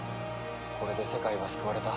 これで世界は救われた。